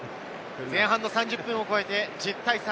前半の３０分を越えて１０対３。